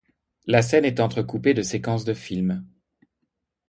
La scène est entrecoupée de séquences du film.